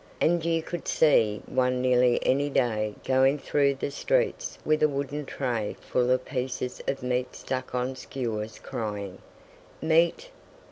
And you could see one nearly any day going through the streets with a wooden tray full of pieces of meat stuck on skewers crying, "Meat!